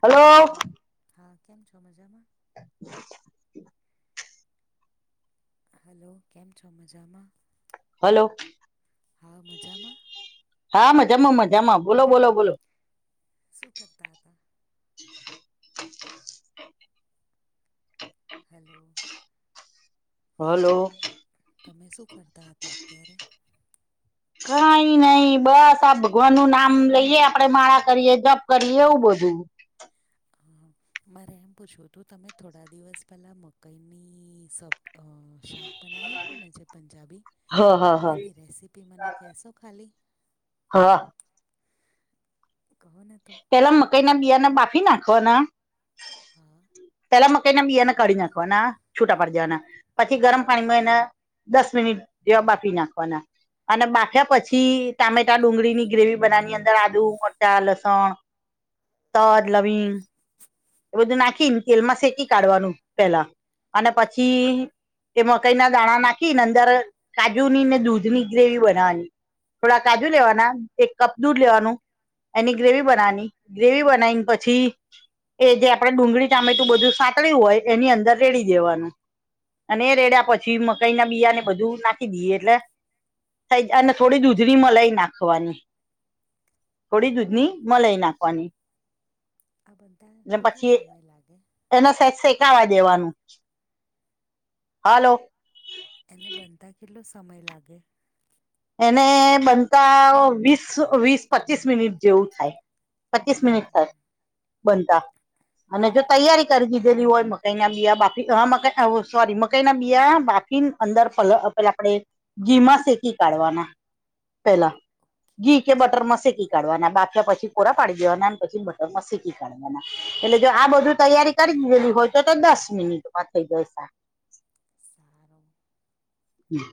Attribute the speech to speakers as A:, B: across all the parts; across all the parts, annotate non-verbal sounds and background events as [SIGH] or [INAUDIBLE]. A: Hello
B: hello, હા કેમ છો મજામાં?
A: [UNINTELLIGIBLE]
B: હલો કેમ છો મજામાં
A: હલો
B: હા મજામાં
A: હામાં જમો જમ બોલો બોલો બોલો
B: શું કરતા હતા
A: [UNINTELLIGIBLE]
B: હલો
A: હલો
B: તમે શું કરતા હતા અત્યારે
A: કઈ નઈ બસ આ ભગવાન નું નામ લઈએે આપડે, માળા કરીએે, જપ કરીએ એવું બધું.
B: આા મારે એમ પૂછવું હતું તમે થોડા દિવસ પહેલા મકઈની સબ શાક બનાવું હતુંને જે પંજાબી
A: હા હા હા
B: તેની રેસીપી મને કહેશો ખાલી?
A: હા.
B: કહો ને તો.
A: પેલા મકાઈ ના બીયાને બાફી નાખવાના.
B: હા
A: પેલા મકઈના બીયાને કાઢી નાખવા ના છૂટા પડ જવાના પછી ગરમ પાણીમાં એને દસ મિનિટ જેવા બાફી નાખવાના અને બાફ્યા પછી ટામેટા ડુંગળી ની ગ્રેવી બનાવી અંદર આદુ, મરચા, લસણ તજ, લવિંગ એ બધું નાખીને તેલમાં શેકી કાઢવાનું પેલા અને પછી તે મકાઈ ના દાણા નાખી ને અંદર કાજુ ની ને દૂધ ની ગ્રેવી બનાવવાની. થોડા કાજુ લેવાના, એક કપ દૂધ લેવાનું એની ગ્રેવી બનાવની, ગ્રેવી બનાવીને પછી એ જે આપડે ડુંગળી, ચામેટું બધું સાતળ્યું હોય એની અંદર રેડી દેવાનું. અને એ રેડયા પછી મકાઈ ના બીયા ને બધું નાખી દઈએ એટલે થ જા અને થોડી દૂધની મલાઈ નાખવાની. થોડી દૂધની
B: બરાબર
A: મલાઈ નાખવાની.
B: આ બધાન કેટલો સમય લાગે?
A: એને સેજ શેકાવા દેવાનું, હાલો.
B: એને બનતા કેટલો સમય લાગે?
A: એને બનતા વીસ વીસ પચીસ મિનિટ જેવું થાય. પચીસ મિનિટ
B: બરાબર
A: થાય બનતા અને જો
B: બરાબર
A: તૈયારી કરી દીધેલી હોય મકાઈ ના બીયા બાફી, મકા સોરી મકાઈ ના બીયા બાફી અંદર પેલા આપડે ઘીમા શેકી કાઢવાના પેલા. ઘી કે
B: ઓકે
A: બટરમાંસેકી કાઢવાના બાકીયા પછી કોરા પાડી દેવાના પછી બટરમાંસેકી કાઢવાના. એટલે જો આ બધું તૈયારી કરી દીધેલી હોય તો તો દસ મિનિટમાં થઇ જશે.
B: સારું.
A: હમ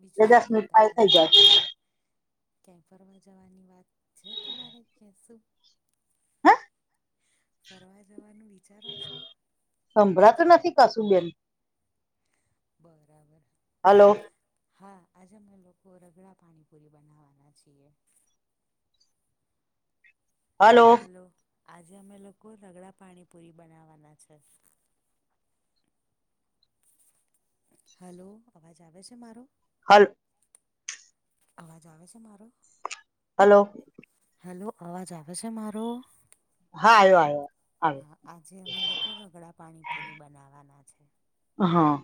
B: બી
A: એ દસ મિનટ પાય થઈ જાય.
B: ક્યાં ફરવા જવાની વાત છે તમારે કે શું?
A: હ
B: ફરવા જવાનું વિચારો છો?
A: સંભળાતું નથી કશું બેન.
B: બરાબર.
A: હલો
B: હા આજે અમે લોકો રગડા પાણીપુરી બનાવવાના છીએ.
A: હલો
B: હાલો, આજે અમે લોકો રગડા પાણીપુરી બનાવાના છે. હલો અવાજ આવે છે મારો?
A: હલો.
B: અવાજ આવે છે મારો?
A: હલો.
B: હેલો, અવાજ આવે છે મારો?
A: હા આયો આયો આવ્યો.
B: હા આજે અમે લોકો રગડા પાણીપુરી બનાવવાના છે.
A: હા,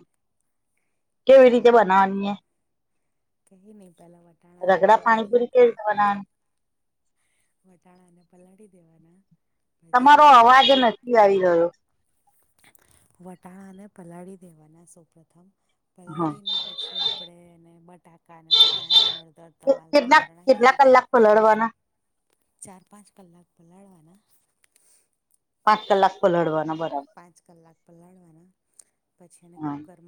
A: કેવી રીતે બનાવાની એ?
B: કહિ નહી પેલા વાટ
A: રગડા પાણીપુરી કેવી રીતે બનાવાની?
B: વટાણા ને પલાળી દેવાના
A: તમારો
B: પછી
A: અવાજ નથી આવી રહ્યો.
B: વટાણાને પલાળી દેવાના સૌ પ્રથમ
A: હા
B: પલાળીને પછી આપણે એને બટાકાને, વટાણા, હળદર
A: કેટલાક
B: તમાલપત્ર નાખી
A: કેટલા કલાક પલડવાના.
B: ચાર પાંચ કલાક પલાળવાના.
A: પાંચ કલાક પલડવાના.
B: હા પાંચ કલાક પલાળવાના પછી એ
A: હા
B: કુકર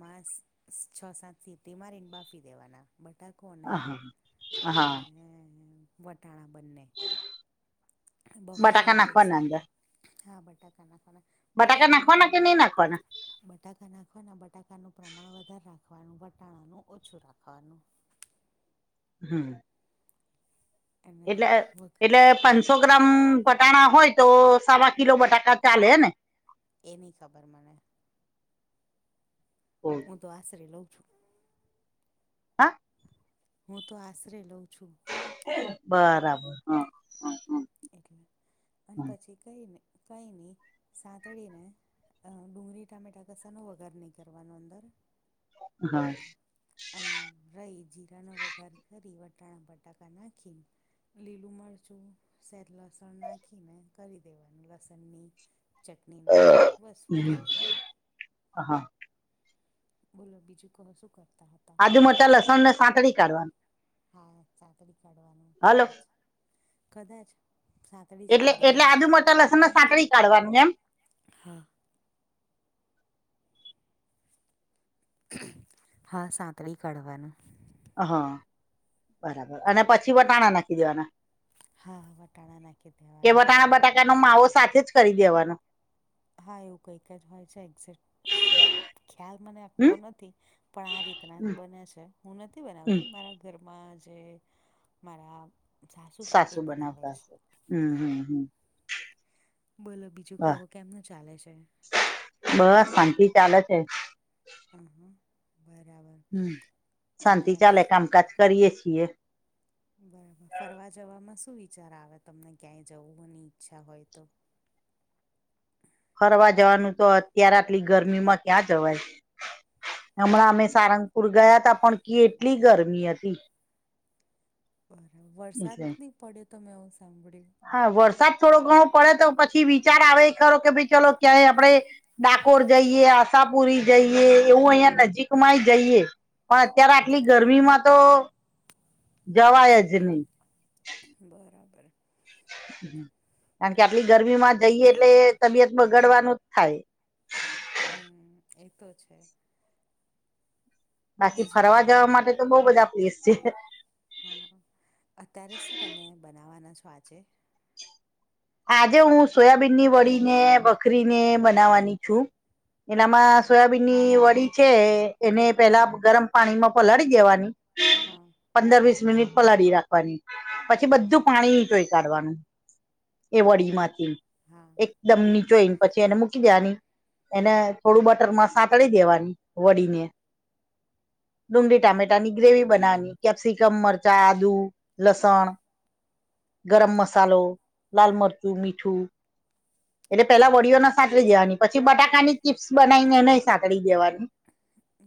B: છ સાત સીમાંરેને બાફી દેવાના બટા કોને
A: હા હા
B: અને વટાણા બંને બફાઈ
A: બટાકા
B: જાય
A: નાખવાના
B: પછી
A: અંદર
B: હા બટાકા નાખવાના
A: બટાકા
B: બટાકાનું
A: નાખવાના કે નહી
B: પ્રમાણ
A: નાખવાના
B: બટાકા નાખવાને બટાકાનું પ્રમાણ વધારે રાખવાનું વટાણાનું ઓછું રાખવાનું.
A: હમ્મ.
B: અને
A: એટલે એટ પચ સો ગ્રામ વટાણા હોય તો સવા કિલો બટાકા ચાલે ને?
B: એ નની ખબર મને. હું તો આશરે લઉં છું.
A: હા.
B: હું તો આશરે લઉં છું.
A: બરાબર હા હ હ.
B: એટલે અને પછી કઈને કઈ નની સાંતળીને અ ડુંગળી, ટામેટા કસાનો વગાર નહીં કરવાનો અંદર?
A: [UNINTELLIGIBLE]
B: અને અને રહી જીરાનો વઘાર કરી વટણ બટાકા નાખી. લીલું મરચું શેદ લસણ નાખીને કરી દેવાનું લસણની ચટણી ના બટું બસ બની
A: હા
B: ગયો.
A: હા.
B: બોલો બીજું કહ શું કરતા હતા?
A: આદુ, મરચા, લસણ ને સાતળ કાઢવાનું.
B: હા સાાકરી કાઢવાનું
A: હલો
B: કદાચ કદાચ સાતળી જ
A: એટલે એટલે
B: કાઢવાનું
A: આજુ મોટા લસણને સાંકળી કાઢવાની એમ.
B: હા. હા સાતળી કાઢવાનું.
A: હા બરાબર અને
B: એટલે
A: પછી વટાણા નાખી દેવાના.
B: હા વટાણા નાખી
A: કે
B: દેવાના
A: વટાણા બટાકાનોો માવો સાથે જ કરી દેવાનો.
B: હા એવું કંઈક જ હોય છે એક્ઝે્ટ ખ્યાલ મને
A: હમ
B: આખો નથી. પણ આ રીતના બને છે હું નથી
A: હમ
B: બનાવતી મારા ઘરમાં જે મારા સાસુ છે એ બનાવે છે.
A: હમ્મ હમ્મ.
B: બોલો બીજું કહો કેમનું ચાલે છે?
A: બસ શાંતિ ચાલે છે.
B: હ હા બરાબર.
A: હમ
B: અને
A: શાંતિ ચાલે કામકાજ કરીએ છીએ.
B: બરાબર ફરવા જવામાં શું વિચાર આવે તમને ક્યાંય જવુંની ઈચ્છા હોય તો.
A: ફરવા જવાનું તો અત્યારે આટલી ગરમી માં ક્યાં જવાય. હમણાં અમે સારંગપુર ગયા ત પણ કેટલી ગરમી હતી.
B: બરાબર વરસાદ
A: એટલે
B: નહી પડ્યો તો મેં હું સાંભળ્યું.
A: હા વરસાદ થોડો ઘણો પડે તો પછી વિચાર આવે ખરો કે ભાઈ ચલો ક્યાંય આપડે ડાકોર જઈએ, આશાપુરી જઈએ એવું અહંયા નજીકમાંય જઈએ. પણ અત્યારે આટલી ગરમી માં તો. જવાય જ નહી.
B: બરાબર.
A: કારણ કે આટલી ગરમી માં જઈએ એટલે તબિયત બગાડવાનુંજ થાય.
B: હ એ તો છે.
A: બાકી
B: બીજું કહો
A: ફરવા જવા માટે તો બઉ બધા પ્લેસ છે.
B: હા અત્યારે શું તમે બનાવવાના છો આજે.
A: આજે હું સોયાબીનની વળી ને બખરીને બનાવવાની છું. એનામાં
B: હા
A: સોયાબી. ની વડી છે એને પેલા ગરમ પાણી માં પલાળી દેવાની.
B: હા.
A: પંદર વીસ મિનિટ પલાળી રાખવાની પછી
B: હા
A: બધું પાણી નીચોય કાઢવાનું. એ
B: હા
A: વડી માંથી
B: હા
A: એકદમ નીચો એ પછી એને મૂકી દેવાની. એને થોડું બટર માં સાતળી દેવાની વડીને. ડુંગળી ટામેટા ની ગ્રેવી બનાવાની કેપ્સિકમ મરચા આદુ. લસણ, ગરમ મસાલો, લાલ મરચું, મીઠું એટલે પેલા વડીઓને સાતળી દેવાની પછી, બટાકાની ચીપ્સ બનાવીને એનેય સાતળી દેવાની.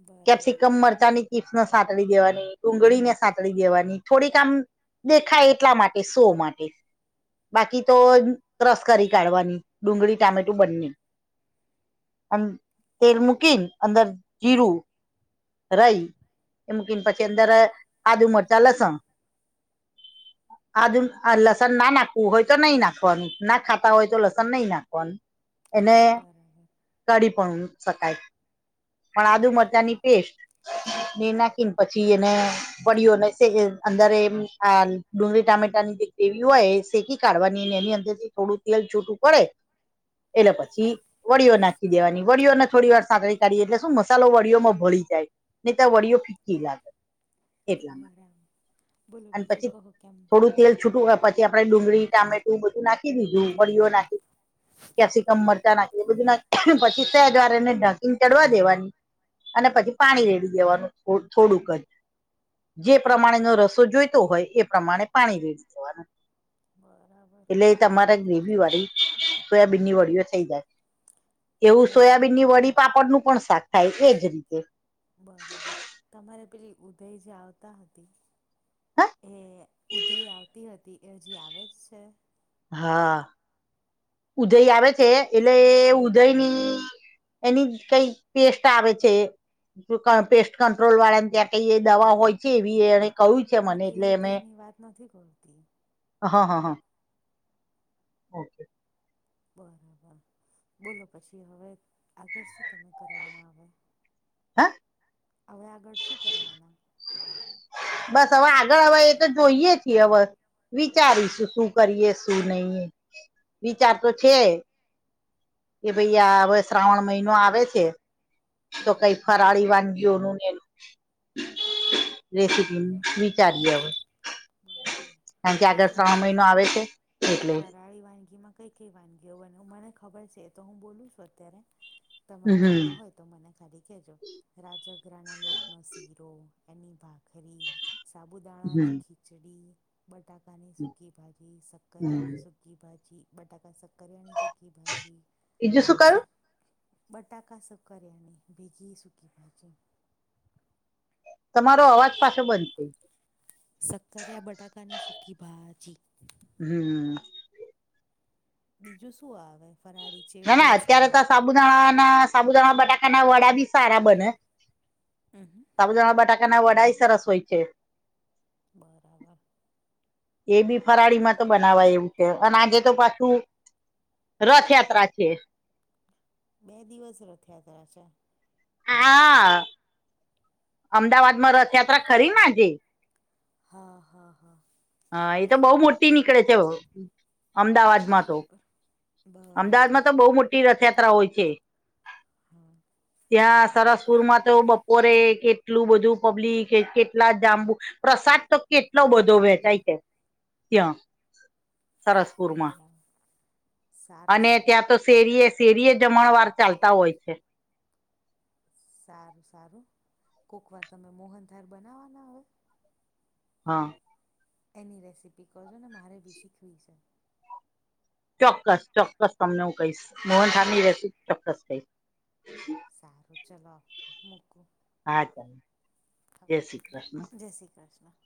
B: બરાબર
A: કેપ્સિકમ મરચા ની ચીપ્સને સાતળી દેવાની, ડુંગળીને સાતળી દેવાની થોડીક આમ દેખાય એટલા માટે શો માટે. બાકી તો રસ કરી કાઢવાની ડુંગળી, ટામેટું બંને. અને તેલ મૂકી ને અંદર જીરું. રઈ એ મૂકીને પછી અંદર આદુ મ લસણ આ જ લસન ના નાખ હોય તો નહી નાખવાનુ ના ખાતા હોય તો લસન નહી નાખવાનુ એને
B: બરાબર
A: કાઢી પણ શકાય પણ આદુ મરચાંની પેસ્ટ. નાખીને પછી એને, વડ્યો અને અંદર શેકી એમ આ ડુંગળી ટામેટાની જે ગ્રેવી હોય શેકી કાઢવાની એની અંદર થી થોડું તેલ છૂટું પડે એટલે પછી. વડીઓ નાખી દેવાની વડીઓને થોડી વાર સાંકળી કાઢીએ એટલે શું મસાલો વડીઓમાં ભળી જાય. નેતા વડીઓ ફીક્કી લાગે. એટલામાં
B: બરાબર બોલો
A: અને
B: બીજું
A: પછી
B: કહો કેમ.
A: થોડું તેલ છૂટું હોય પછી આપડે ડુંગળી, ટામેટું બધું નાખી દીધું વડીઓ નાખી કેપ્સિકમ મરચા નાખી એ બધું નાખી પછી સેજ વાર એને ઢાકીને ચઢવા દેવાની. અને પછી પાણી રેડી દેવાનું થોડુંક જ. જે પ્રમાણે એનો
B: હમ
A: રસો જોઈતો હોય એ પ્રમાણે પાણી વેડી દેવાનું.
B: બરાબર.
A: એટલે તમારા ગ્રેવી વાળી સોયાબીન ની વડીઓ થઈ જાય. એવું
B: બરાબર
A: સોયાબીનની વડી પાપડનું પણ શાક થાય એજ રીતે.
B: બરાબર. તમારે પેલી ઉધઈ જે આવતા હતી
A: હ
B: એ ઉધઈ આવતી હતી એ હજી આવે જ છે?
A: હા, ઉધઈ આવે છે એટલે ઉધઈની એની કઈ પેસ્ટ આવે છે. પેસ્ટ કંટ્રોલ વાળા ને ત્યાં કઈ એ દવાઓ હોય છે એવી એને કહ્યું છે
B: હું
A: મને એટલે
B: એવું
A: અમે
B: થઈની વાત નથી કરતી.
A: હા હા હા. ઓકે.
B: બરાબર બોલો પછી હવે આગળ શું તમે કરવાના હવે?
A: હા
B: હવે આગળ શું કરવાના?
A: બસ હવે આગળ હવે એ તો જોઈએ છીએ હવે. વિચારીશું શું કરીએ, શું નહીએ વિચાર તો છે. કે ભાઈ હવે શ્રાવણ મહિનો આવે છે તો
B: હમ
A: કઈ ફરાળી વાનગીઓનું ને એ રેસીપી નુ
B: બરાબર
A: વિચારીએ અવે.
B: બરાબર ફરાળી
A: મહિનો આવે છે
B: વાનગી
A: એટલે
B: ફરાળી વાનગીમાં કઈ કે વાનગીઓને હ મને ખબર છે તો હું બોલું છું અત્યારે તમારા
A: હમ
B: ધ્યાનમાં હોય તો મને ખાલી કહેજો. રાજગરાના લોટનો શીરો, એની ભાખરી, સાબુદાણાની
A: હમ
B: ખીચડી, બટાકાની
A: હમ
B: સુકી ભાજી,
A: હમ
B: શક્કરિયાની સુકી સુકકી ભાજી, બટાકા સક્કરિયાની સુકી ભાજી,
A: બીજું શું કયું
B: સી બટાકા સક્કરીયાની બેગી સુકી ભાજી.
A: તમારો અવાજ પાછો બંધ થઈ
B: સક્કરિયા બટાકાની સૂકી ભાજી.
A: હમ્મ.
B: બીજું શું આવે ફરાળી?
A: ના
B: ચેવડો
A: ના અત્યારે
B: છે
A: તો સાબુદાણા ના સાબુદાણા બટાકા ના વડા બી સારા બને.
B: હમ્મ.
A: સાબુદાણા બટાકા ના વડાાય સરસ હોય છે.
B: બરાબર.
A: એ બી ફરાળી માં તો બનાવાય એવું છે અને આજે તો પાછું રથયાત્રા છે.
B: બે દિવસ રથયાત્રા છે.
A: હા અમદાવાદમાં રથયાત્રા ખરી નાજે
B: હા હા હા.
A: હા એ તો બહુ મોટી નીકળે છે અમદાવાદમાં તો
B: બરાબર. બરાબર.
A: અમદાવાદમાં તો બહુ મોટી રથયાત્રા હોય છે.
B: હા.
A: ત્યાં સરસપુર માં તો બપોરે કેટલું બધું પબ્લિક કેટલા જાંબુ પ્રસાદ તો કેટલો બધો વેચાય કે ત્યાં સરસપુરમાં
B: બરાબર. સારું
A: અને
B: સારું
A: ત્યાં તો શેરીએ શેરીએ જમણ વાર ચાલતા હોય છે.
B: સારું સારું કોક વાર તમે મોહનધાર બનાવવાના આવે.
A: હા.
B: એની રેસીપી કરજો ને મારે બી શીખવી છે.
A: ચોક્કસ ચોક્કસ તમને હું કહીશ
B: હા
A: મોહનઠની રેસીપી ચોક્કસ કહીશ.
B: સારું ચલો મૂકું.
A: હા.
B: હા
A: જય શ્રી કૃષ્ણ
B: જય શ્રી કૃષ્ણ.